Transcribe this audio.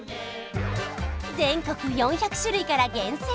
全国４００種類から厳選！